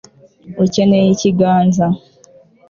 ukeneye ikiganza